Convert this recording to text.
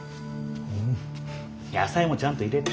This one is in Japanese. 野菜もちゃんと入れて。